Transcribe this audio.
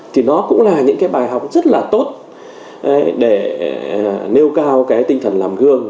thì nó cũng là những cái bài học rất là tốt để nêu cao cái tinh thần làm gương